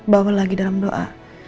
bawa lagi dalam doa